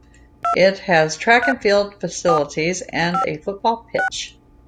It has track and field facilities and a football pitch.